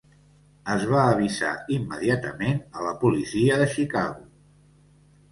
Es va avisar immediatament a la policia de Chicago.